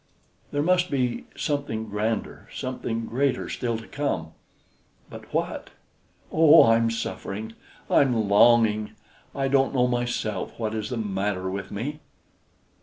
There must be something grander, something greater still to come; but what? Oh! I'm suffering, I'm longing! I don't know myself what is the matter with me!"